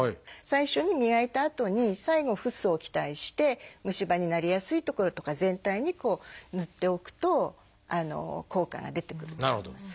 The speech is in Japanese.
最初に磨いたあとに最後フッ素を虫歯になりやすい所とか全体に塗っておくと効果が出てくると思います。